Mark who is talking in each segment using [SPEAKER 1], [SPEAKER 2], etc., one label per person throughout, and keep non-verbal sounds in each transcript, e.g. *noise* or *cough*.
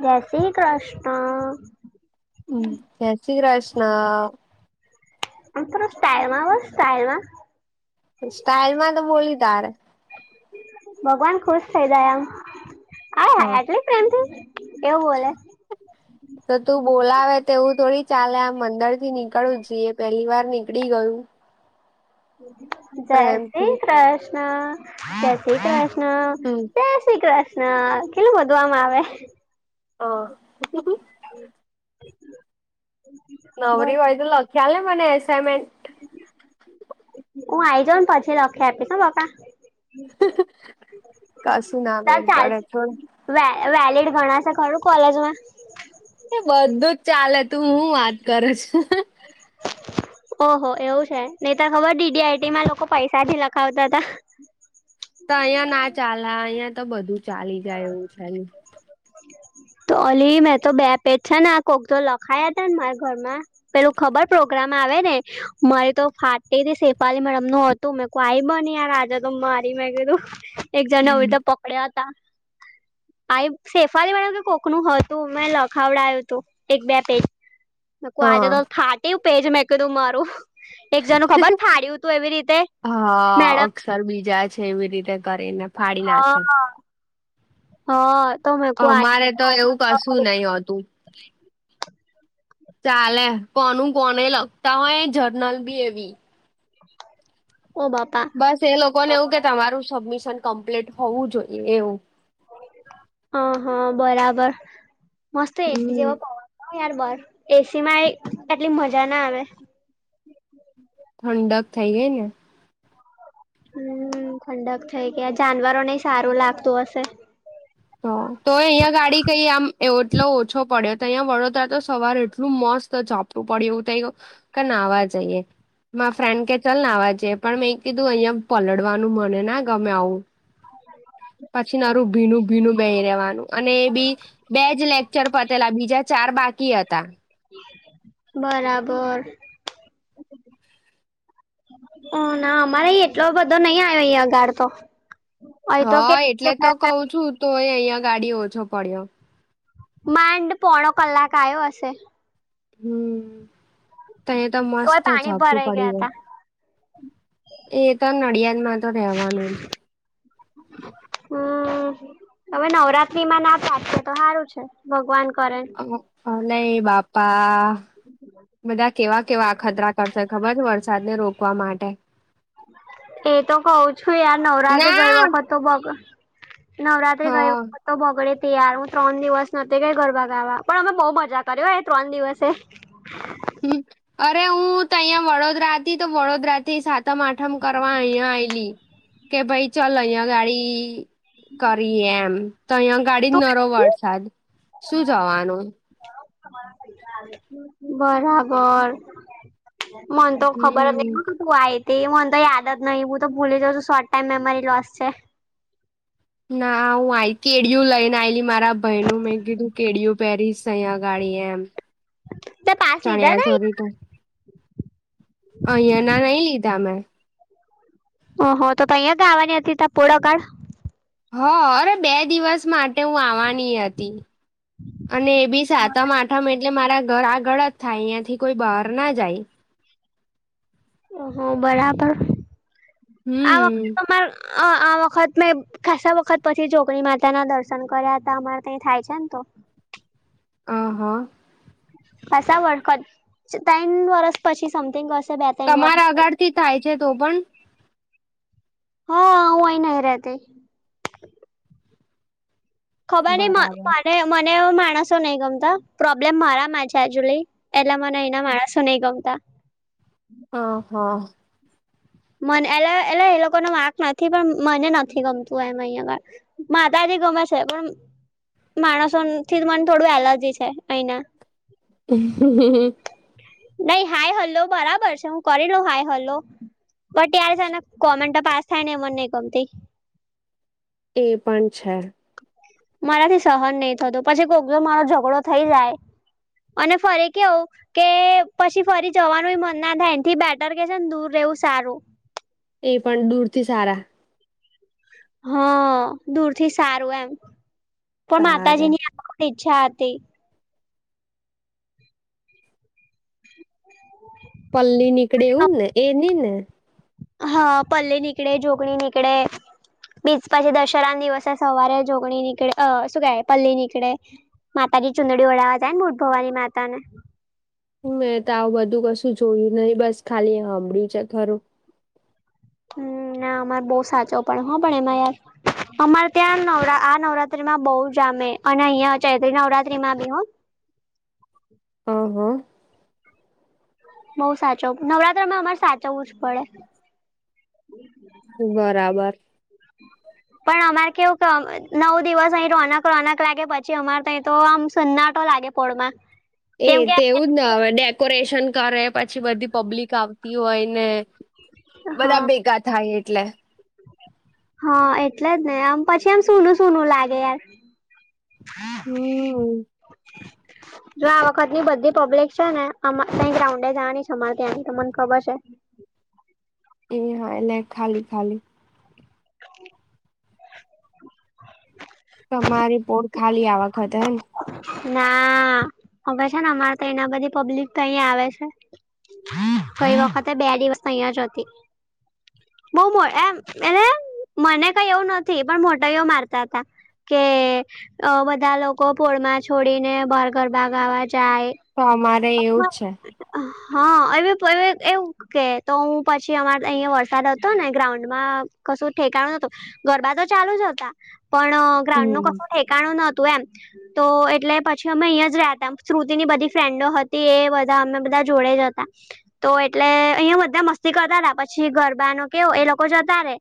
[SPEAKER 1] જય શ્રી કૃષ્ણ
[SPEAKER 2] હમ જય શ્રી કૃષ્ણ.
[SPEAKER 1] મ થો સ્ટાઈમાં હો સ્ટાઈલમાં.
[SPEAKER 2] સ્ટાઇલ માં તો બોલી તારે.
[SPEAKER 1] ભગવાન ખુશ થઇ જાય આમ આ
[SPEAKER 2] હમ.
[SPEAKER 1] કેમથી એવું બોલે.
[SPEAKER 2] *unintelligible* તો તું બોલાવે તોવું થોડી ચાલે આમ મંદર થી નીકળું જઈએ પેલી વાર નીકળી ગયું.
[SPEAKER 1] જય
[SPEAKER 2] પ્રેમથી
[SPEAKER 1] શ્રી કૃષ્ણ જય શ્રી કૃષ્ણ
[SPEAKER 2] હમ
[SPEAKER 1] હ જય શ્રી કૃષ્ણ કેટલું વધુ આમ આવે.
[SPEAKER 2] ઓ હમ હમ.
[SPEAKER 1] હમ.
[SPEAKER 2] નવરી હોય તો લખ્યાલ ને મને એસાઇનમેન્ટ
[SPEAKER 1] હું આઈ જાઉને પછી લખી આપીશ ને બકા
[SPEAKER 2] કશું ના મેર
[SPEAKER 1] તાર ચાલ.
[SPEAKER 2] પડે છોડ
[SPEAKER 1] વ વેલીિડ છે કોલેજમાં
[SPEAKER 2] એ બધું જ ચાલે તું હું વાત કરું છે.
[SPEAKER 1] ઓહો એવું છે હીતા ખબર ડીડીઆઈટી માં લોકો પૈસા થી લખાવતા તા.
[SPEAKER 2] તો અહિયાયા ના ચાલે અહિયાં તો બધું ચાલી જાય એવું ચાલ
[SPEAKER 1] ઓલી મેં તો બે પેટ છે ને આ કોક તો લખાયા ને મારા ઘરમાં પેલું ખબર પ્રોગ્રામ આવે ને મારી તો ફાટેથી શેપાલી મેડમ નો. તો મેં કો આઈ બની યાર આજે તો મારી મેં કિધું
[SPEAKER 2] *unintelligible*
[SPEAKER 1] એક જને હોય તો પકડ્યા તા આઈ શેફલી મેડમ કે કોકનું હતું મે લખાવડાય્યું હતું એક બે પેજ આજે
[SPEAKER 2] હા
[SPEAKER 1] તો ફાટ્યું પેજ મેં કીધું મારું એક જણ નું ખબર છે ફાડ્યો તું એવી રીતે મેડમ
[SPEAKER 2] સર બીજા છે એવી રીતે કરીને ફાડી નાખે
[SPEAKER 1] હા હા તો મે
[SPEAKER 2] અમારે તો એવું કશું નહીં હોતું. ચાલે કોનું કોને લગતા હોય જર્નલ બી એવી
[SPEAKER 1] *inaudible* ઓ બાપ
[SPEAKER 2] બસ એ લોકો ને એવું કે તમારું સબમિશન કમ્પ્લીટ હોવું જોઈએ એવું.
[SPEAKER 1] હ હા બરાબર મસ્ત એસી
[SPEAKER 2] હમ
[SPEAKER 1] જેવો પવન હા યાર બાર એસીમાં એટલી મજા ના આવે
[SPEAKER 2] ઠંડક થઈ ગઈને
[SPEAKER 1] હમ ઠંડક થઈ ગયા જાનવરો ને સારું લાગતું હશે.
[SPEAKER 2] હા તો હી અહીંયા ગાડી કઈ આમ એટલો ઓછો પડ્યો તો અહીયા વડોદરા તો સવાર એટલું મસ્ત પડીયું એવું થઈ ગયો કે ના વા જઈએ. મા ફ્રેન્ડ કે ચલ નાવા જઈએ પણ મેં કીધું અહિયાં પલડવાનું મને ના ગમે આવું. -પછી નારું ભીનું ભીનું બેઈ રેવાનું અને એ બી બેજ લેક્ચર પતેલા બીજા ચાર બાકી હતા!
[SPEAKER 1] બરાબર ઓ ના અમારે અહીં એટલો બધો નહી આયો અહીંયા ગાળ તો આઈ તો કે *unintelligible*
[SPEAKER 2] તોય અહિયાં ગાડી ઓછો પડ્યો.
[SPEAKER 1] માંડ પોણો કલાક આવ્યો હશે.
[SPEAKER 2] હમમ તહીં એ તો
[SPEAKER 1] તોય
[SPEAKER 2] મસ્ત
[SPEAKER 1] પાણી
[SPEAKER 2] જપતું
[SPEAKER 1] ભરાઈ
[SPEAKER 2] પડી
[SPEAKER 1] ગયા
[SPEAKER 2] ગયું
[SPEAKER 1] તા
[SPEAKER 2] એ તો નડિયાદમાં તો રહેેવાનું જ
[SPEAKER 1] હમ હવે નવરાત્રી માં ના પાટો તો સારું છે ભગવાન કરે
[SPEAKER 2] અમુક- અ નહીં બાપા બધા કેવા કેવા અખતરા કરશે ખબર છે વરસાદ ને રોકવા માટે
[SPEAKER 1] એ તો કઉં છું યાર નવરાત્રી ગઈ
[SPEAKER 2] ના
[SPEAKER 1] વખત તો બગ
[SPEAKER 2] હ
[SPEAKER 1] નવરાત્રી ગઈ વખત તો બગડે ત્યારે હું ત્રણ દિવસ નહતી ગઈ ગરબા ગાવા પણ અમે બહુ મજા કર્યો એ ત્રણ દિવસે
[SPEAKER 2] હમ અરે હું તો અહિયાં વડોદરા હતી. તો વડોદરાથી સાતમ આઠમ કરવા અહીંયા આઈલી કે ભાઈ ચાલ અહીં ગાડી કરી એ એમ તો અહિયાં ગાડી જ
[SPEAKER 1] તું
[SPEAKER 2] ન રો વરસાદ શું જવાનો
[SPEAKER 1] *inaudible* બરાબર મને તો ખબર જ
[SPEAKER 2] હમ
[SPEAKER 1] નઈ હું હતી મને તો યાદ જ નહી, હું તો ભૂલી જાઉ છું શોર્ટ ટાઈમ મેમરી લોસ છે.
[SPEAKER 2] ના હું આઈતી કેડીયું લઈને આઈલી મારા ભાઈનું મેં કીધું કેડીયું પહેરીશ અહીંયા ગાડી એમ
[SPEAKER 1] તે પાસ લીધા
[SPEAKER 2] ચણ્યા ચોરી
[SPEAKER 1] તા
[SPEAKER 2] તું અહીંયા ના નઈ લીધા મેં
[SPEAKER 1] ઓહ તો તહિયા ગાવાની હતી ત પોળકાડ
[SPEAKER 2] હ અરે બે દિવસ માટ ટે હું આવવાની હતી અને એ બી સાતમ આઠમ એટલે મારા ઘર આગળ જ થાય અહિયા થી કોઈ બહાર ના જાય
[SPEAKER 1] ઓહ! બરાબર. આ વખતે
[SPEAKER 2] હમ
[SPEAKER 1] તો મારે અ આ વખત મેં ખાસા વખત પછી, જોગણી માતાના દર્શન કર્યા હતા. અમારે ત્યા થાય છે ને તો
[SPEAKER 2] આહા.
[SPEAKER 1] ખાસા વખત ત્રન વર્સ પછી સમથિંગ બે ત્રણ
[SPEAKER 2] તમારા
[SPEAKER 1] વર્ષ
[SPEAKER 2] આગળથી થાય છે તો પણ
[SPEAKER 1] હા, હું અહીં નહીં રહે તી. ખબર નહિ
[SPEAKER 2] બરાબર
[SPEAKER 1] મને, મને એ માણસો નહી ગમતા. પ્રોબ્લેમ મારામાં છે એકચુલી. એટલા મને એના માણસો નઈ ગમતા.
[SPEAKER 2] હહા.
[SPEAKER 1] મને એલે એટલે એ લોકોનો વાંક નથી પણ મને નથી ગમતું એમ અહિ આગળ. માતાજી ગમે છે, પણ માણસોથી થી મને થોડું એલર્જી છે અહીના
[SPEAKER 2] હ
[SPEAKER 1] નઈ હાય હલ્લો બરાબર છે. હું કરી લઉ હાય હલો. બટ યાર છે ને કોમેન્ટ પાસ થાયને એ મન નહી ગમતી.
[SPEAKER 2] એ પણ છે.
[SPEAKER 1] મારાથી સહન નહી થતું પછી કોઈક મારો ઝઘડો થઈ જાય. અને ફરી કેવું? કે પછી ફરી જવાનું એ મનના થાય એથી બેટર કે છે ને દૂર રહેવું સારું.
[SPEAKER 2] એ પણ દૂરથી સારા.
[SPEAKER 1] હ, દૂરથી સારું એમ પણ
[SPEAKER 2] તારે
[SPEAKER 1] માતાજીની ઈચ્છા હતી. *inaudible*
[SPEAKER 2] પલ્લીની નીકડે એવુંજ એની ને
[SPEAKER 1] હા, પલ્લી નીકળે, ઝોકણી નીકળે. બીજ પછી દશેરાને દિવસે સવારે જોગણી નીકળે અ શું કે પલ્લી નીકડે. માતાજી ચુંદડી ઓઢવા જાયને, બુટ ભવાની માતાને.
[SPEAKER 2] મેં તો આવું બધું કશું જોયું નહી, બસ ખાલી હાભળ્યું છે ખરું!
[SPEAKER 1] ના અમારે બહુ સાચવું પડે હ, પણ એમાં યાર અમારે ત્યાં નવરા આ નવરાત્રીમાં બહુ જામે અને અહિયાં ચૈત્રી નવરાત્રીમાં બી હ
[SPEAKER 2] હ હ
[SPEAKER 1] બઉ સાચવ નવરાત્રમાં અમારે સાચવવું જ પડે.
[SPEAKER 2] બરાબર.
[SPEAKER 1] પણ અમારે કેવું ક નવ દિવસ અહી રોનક રોનક લાગે, પછી અમારે તો આમ સન્નાટો લાગે પોડમાં.
[SPEAKER 2] *inaudible* એ તે એવું જ ને હવે, ડેકોરેશન કરે પછી બધી પબ્લિક આવતી હોયને.
[SPEAKER 1] હા
[SPEAKER 2] બધા ભેગા થાય એટલે
[SPEAKER 1] હા, એટલે જ ને, આમ પછી આમ સૂનું સૂનું લાગે યાર.
[SPEAKER 2] હમ.
[SPEAKER 1] જો આ વખતની બધી પબ્લિક છે ને અમારે ત્યાં ગ્રાઉન્ડે જવાની છે. અમારે ત્યાંની ત મને ખબર છે.
[SPEAKER 2] એ હા લે ખાલી ખાલી.
[SPEAKER 1] *inaudible*
[SPEAKER 2] તમારી પોળ ખાલી આ વખતે હમ.
[SPEAKER 1] ના. હવે, છે ને અમારે તો એના બધી પબ્લિક તો અહીં આવે છે. કઈ વખતે બે દિવસ તો અહીંય જ હતી. બહુ મો એમ. એને મને કઈ એવું નથી પણ મોટાઈઓ મારતા હતા. કે અ બધા લોકો પોળમાં છોડીને બાહર ગરબા ગાવા જાય.
[SPEAKER 2] સમારે
[SPEAKER 1] *inaudible* હા એ *unintelligible* એ એવું ઓકે તો હું પછી અમારે અહિયાં વરસાદ હતો ને ગ્રાઉન્ડ માં કશું ઠેકાણું નતું ગરબા તો ચાલુ જ હતા પણ ગ્રાઉન્ડ નો
[SPEAKER 2] હમ
[SPEAKER 1] કસો ઠેકાણું નતું એમ તો એટલે પછી અમે અહીં જ રહતા શ્રુતિની બધી ફ્રેન્ડો હતી એ બધા અમે બધા જોડે જતા તો એટલે અહીયા બધા મસ્તી કરતાતા પછી ગરબાનો કેવો એ લોકો જતા રે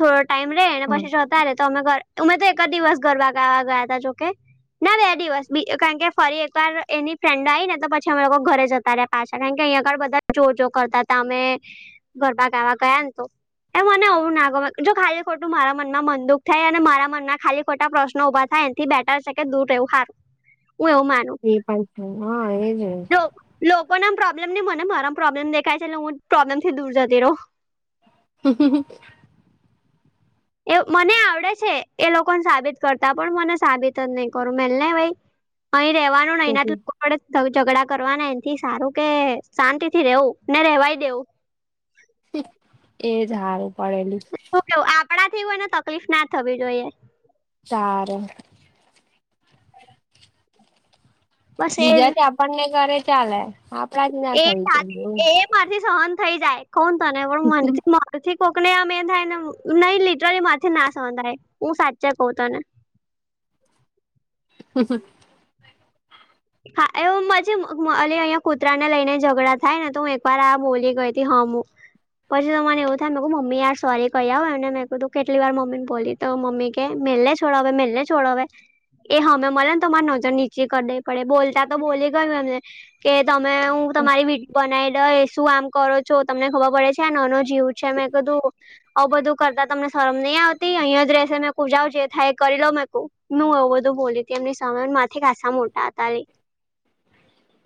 [SPEAKER 1] થોડો ટાઈમ રે ને
[SPEAKER 2] હા
[SPEAKER 1] પછી જોતા રે તો અમે અમેતો એક જ દિવસ ગરબા ગાવા ગયા હતા જોકે ના બે દિવસ કારણ કે ફરી એકવાર એની ફ્રેન્ડ આવી ને તો પછ પછી અમે લોકો ઘરે જતા રહ્યા પાછા કારણ કે આગળ બધા જોર કરતા હતા અમે ગરબા ગાવા ગયા ને તો એ મને એવું ના ગમે જો ખાલી ખોટું મારા મનમાં મનંદુખ થાય અને મારા મનમાં ખાલી ખોટા પ્રશ્નો ઊભા થાય ને થી બેઠા છે કે દૂર રહેવું સારું, હું એવું માનું
[SPEAKER 2] એ પણ તો હા એ જ ને
[SPEAKER 1] લોક લોકો ના પ્રોબ્લેમ ની મને મારા પ્રોબ્લેમ દેખાય છેટલે હું પ્રોબ્લેમ થી દૂર જતી રહો.
[SPEAKER 2] *unintelligible*
[SPEAKER 1] એ મને આવડે છે એ લોકોને સાબિત કરતા પણ મને સાબિત જ નહી કરું મેલને ભાઈ. અહી રેવાનું નહી *unintelligible*
[SPEAKER 2] તેથી
[SPEAKER 1] આપડે ઝઘડા કરવાને એનથી સારું કે શાંતિ થી રેવું ને રેવાય દેવું
[SPEAKER 2] *inaudible* એજ સારું પડે એલી
[SPEAKER 1] જો આપડા થી કોયને તકલીફ ના થવી જોઈએ
[SPEAKER 2] સારું
[SPEAKER 1] બસ એ
[SPEAKER 2] બીજાથી આપણને કરે ચાલે આપડાથી ના
[SPEAKER 1] એ
[SPEAKER 2] થવી જોઈ એવું
[SPEAKER 1] એ મારથી સહન થઈ જાય કોણ તને પણ *unintelligible* *unintelligible* થી કોકની આમ એમ થાય ને નહી લિટરલી માંથી ના સહન થાય હું સાચે કહું તને
[SPEAKER 2] *unintelligible*
[SPEAKER 1] હા એવું મજી અલી અહીંયા કૂતરાને લઈને ઝઘડા થાય ને તો હું એકવાર આ બોલી ગઈ હતી હામુ પછી તને એવું થાય મેકું મમ્મીયાર સોરી કહી આવ હો એને મે કીધું કેટલી વાર મમ્મી ને બોલી તો મમ્મી કે મેલને છોડાવે મેલને છોડાવે એ હામે મળને તો માર નજર નીચે કરદે પડે બોલતા તો બોલી ગય એમને કે તમે હું તમારી વિડ બનાવી દઇશ શું આમ કરો છો તમને ખબર પડે છે આ નાનો જીવ છે મેં કીધું આવ બધું કરતા તમને શરમ નહી આવતી અહીયાં જ રહેશે મેંકૂ જાઉં જે થાય એ કરી લઉ મેં કુ હું એવું બધું બોલી હતી એમની સામે મારથી ખાાસસા મોટા હતા રે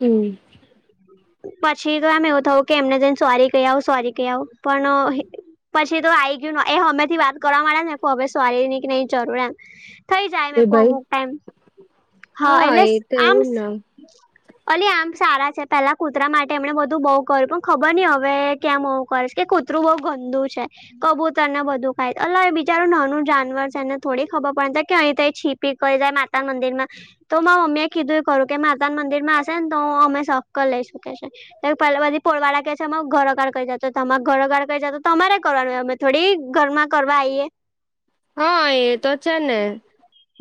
[SPEAKER 2] હમ
[SPEAKER 1] *unintelligible* પછી તો એમ એવું થવું કે એમને જઈને સોરી કહી આવ સોરી કહી આવ પણ પછી તો આવી ગયું એ અમે થી વાત કરવા માંડ્યા ને હવે સોરી ની કે નઈ જરૂર એમ થઈ જાય
[SPEAKER 2] એ
[SPEAKER 1] મેં કો
[SPEAKER 2] ભાઈ
[SPEAKER 1] અમુક ટાઈમ હા એટલે
[SPEAKER 2] તો
[SPEAKER 1] આમ
[SPEAKER 2] એવું ન
[SPEAKER 1] અલી આમ સારા છે પેલા કૂતરા માટે એમને બધું બઉુ કર્યું પણ ખબર નઈ હવે ક્યામ આવુ કરશે કે કૂતરું બઉુ ગંદુ છે. કબૂતર ને બધું ખાય અ બિચારું નાનું જાનવર છે એને થોડીક ખબર પડે કે અહીં છીપ પી ક જાય માતા મંદિર માં તો મારા મમ્મીએ કીધું એ ખરું કે માતા મંદિર માં હશે ને તો અમે સક્ક લઈ શકે છે. પેલ બધી પોળવાળા કે છે એમાં ઘરોગા ક કરી જતો તમા ઘરોગળ ક જતો તમારે કરવાનું એમ થોડી ઘરમાં કરવા આઈએ,
[SPEAKER 2] હા એ તો છે ને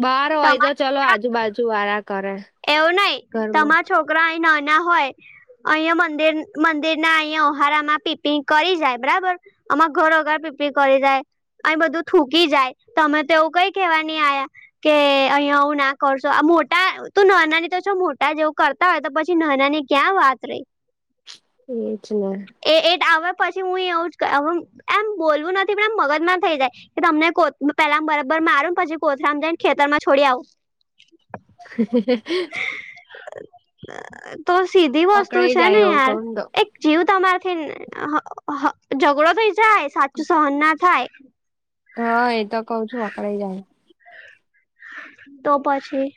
[SPEAKER 2] બહાર હોય તો
[SPEAKER 1] તમારા
[SPEAKER 2] ચલો
[SPEAKER 1] છોકરા
[SPEAKER 2] આજુબાજુ વાળા કરે.
[SPEAKER 1] એવું નઈ
[SPEAKER 2] ઘરમાં
[SPEAKER 1] તમારા છોકરા અ નાના હોય, અહિયાંયા મંદિર મંદિર ના અહિયાયા ઓહારામાં પીપિ કરી જાય બરાબર, અમારે ઘર અગાડ પીપી કરી જાય. અહીં બધું થૂકી જાય તમે તોવું કઈ કેવા નહી આયા. કે અહિયાં એવું ના કરશો આ મોટા ત નોના ની મોટા જેવું કરતા હોય તો પછી નાના ની ક્યાં વાત રહી.
[SPEAKER 2] એ જ ને.
[SPEAKER 1] એ એટ આવ પછી હું એવું જ એમ બોલવું નથી પણ એમ મગજમાં થઈ જાય. કે તમને પેલા બરાબર મારું પછી કોથરામાં જઈને ખેતર માં છોડી આવું.
[SPEAKER 2] હ.
[SPEAKER 1] તો સીધી વસ્તુ
[SPEAKER 2] અકળાઈ
[SPEAKER 1] છે ને
[SPEAKER 2] જાય એવું
[SPEAKER 1] યાર
[SPEAKER 2] કઉ ને તો
[SPEAKER 1] એક જીવ તમારેથી ઝઘડો થઇ જાય સાચું સહન ના થાય.
[SPEAKER 2] હા એતો કઉ છું અકડાઈ જાઉ.
[SPEAKER 1] તો પછી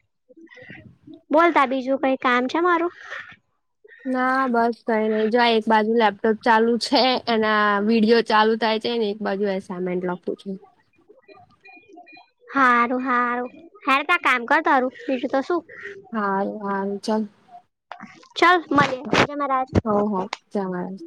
[SPEAKER 1] બોલતા બીજું કઈ કામ છે મારું,
[SPEAKER 2] ના બસ કઈ નઈ જોાય એક બાજુ લેપટોપ ચાલુ છે એના આ વિડીયો ચાલુ થાય. ને એક બાજુ એસાઇમેન્ટ લખું છે.
[SPEAKER 1] હારું હારું હાર ત કામ કર તારું બીજું તો શું?
[SPEAKER 2] હા હા ચાલ,
[SPEAKER 1] ચાલ મળીએ, જય મહારાજ.
[SPEAKER 2] હો હો જય મહારાજ.